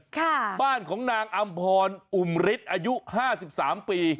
ค่ะบ้านของนางอำพรอุ๋มฤทธิ์อายุ๕๓ปี